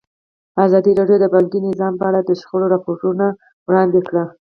ازادي راډیو د بانکي نظام په اړه د شخړو راپورونه وړاندې کړي.